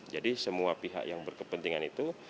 jadi semua pihak yang berkepentingan itu